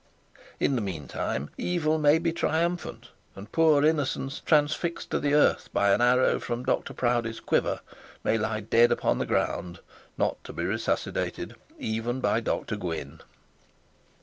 In the mean time evil may be triumphant, and poor innocence, transfixed to the earth by an arrow from Dr Proudie's quiver, may be dead upon the ground, not to be resuscitated even by Dr Gwynne.